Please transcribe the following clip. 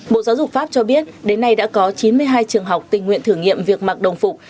bộ giáo dục pháp cho biết đến nay đã có chín mươi hai trường học tình nguyện thử nghiệm việc mặc đồng phục